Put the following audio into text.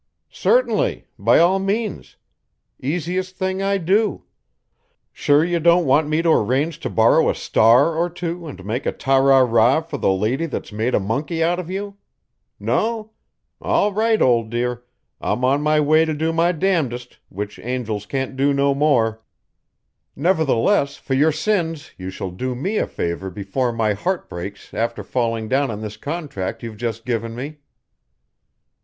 "Certainly. By all means! Easiest thing I do! Sure you don't want me to arrange to borrow a star or two to make a ta ra ra for the lady that's made a monkey out of you? No? All right, old dear! I'm on my way to do my damnedest, which angels can't do no more. Nevertheless, for your sins, you shall do me a favour before my heart breaks after falling down on this contract you've just given me."